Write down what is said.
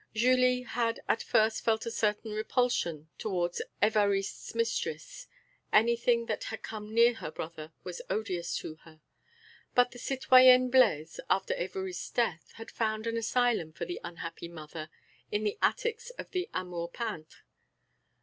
Julie had at first felt a certain repulsion towards Évariste's mistress; anything that had come near her brother was odious to her. But the citoyenne Blaise, after Évariste's death, had found an asylum for the unhappy mother in the attics of the Amour peintre.